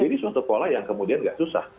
jadi itu pola yang kemudian gak susah